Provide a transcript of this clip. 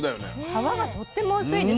皮がとっても薄いですね。